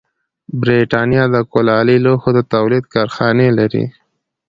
برېټانیا د کولالي لوښو د تولید کارخانې لرلې.